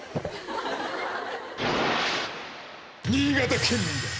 新潟県民だ！